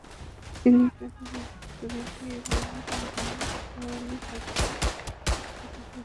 তিনি কাদেরিয়া তরিকা এবং কুরআনের আইনতাত্ত্বিক ব্যাখ্যা শিক্ষা দিতেন।